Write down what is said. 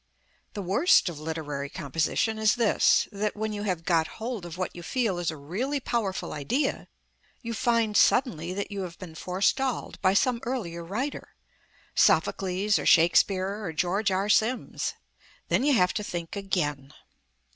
The worst of literary composition is this: that when you have got hold of what you feel is a really powerful idea, you find suddenly that you have been forestalled by some earlier writer Sophocles or Shakespeare or George R. Sims. Then you have to think again.